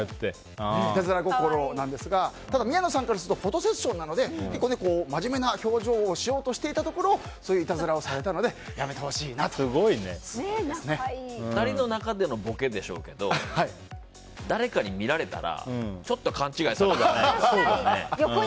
いたずら心なんですがただ、宮野さんからするとフォトセッションなので真面目な表情をしようとしていたところそういう、いたずらをされたので２人の中でのボケでしょうけど誰かに見られたらちょっと勘違いされるよね。